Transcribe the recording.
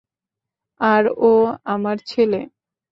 আর ও আমার ছেলে।